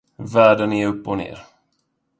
Världen är upp-och-ner.